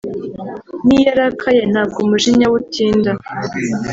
niyo arakaye ntabwo umujinya we utinda